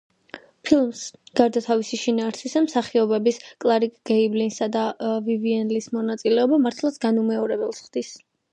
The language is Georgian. ფილმს, გარდა თავისი შინაარსისა, მსახიობების კლარკ გეიბლისა და ვივიენ ლის, მონაწილეობა მართლაც განუმეორებელს ხდის.